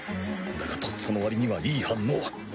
だがとっさのわりにはいい反応。